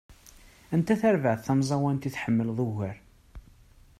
Anta tarbaεt tamẓawant i tḥemmleḍ ugar?